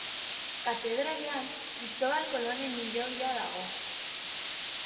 Katedralean Kristobal Kolonen hilobia dago.